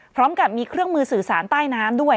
พร้อมกับมีเครื่องมือสื่อสารใต้น้ำด้วย